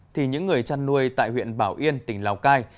thì những người chăn nuôi tại huyện bảo yên tỉnh lào cai